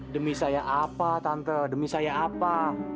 demi saya apa tante demi saya apa